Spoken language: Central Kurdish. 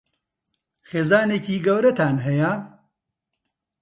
خێزانێکی گەورەتان هەیە؟